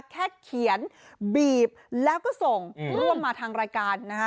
แค่เขียนบีบแล้วก็ส่งร่วมมาทางรายการนะฮะ